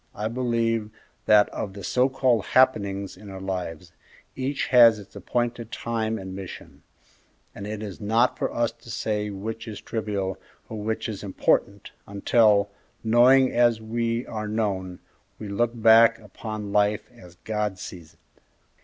I believe that of the so called 'happenings' in our lives, each has its appointed time and mission; and it is not for us to say which is trivial or which is important, until, knowing as we are known, we look back upon life as God sees it."